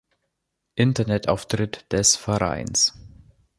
Internetauftritt des Vereins